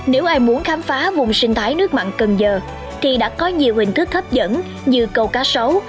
nếu ai muốn khám phá vùng sinh thái nước mặn cần giờ thì đã có nhiều hình thức hấp dẫn như cầu cá sấu